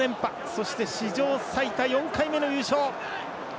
そして、史上最多４回目の優勝。